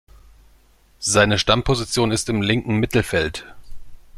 Seine Stammposition ist im linken Mittelfeld.